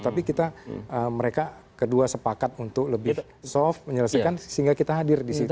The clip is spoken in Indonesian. tapi kita mereka kedua sepakat untuk lebih soft menyelesaikan sehingga kita hadir di situ